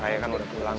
raya kan udah pulang